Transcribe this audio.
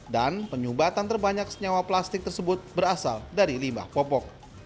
dan penyumbatan terbanyak senyawa plastik tersebut berasal dari limah popok